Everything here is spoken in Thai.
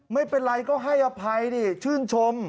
ไม่เป็นไรก็ให้อภัยดิชื่นชม